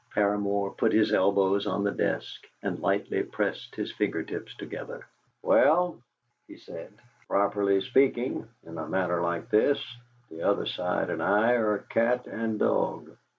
Paramor put his elbows on the desk, and lightly pressed his finger tips together. "Well," he said, "properly speaking, in a matter like this, the other side and I are cat and dog.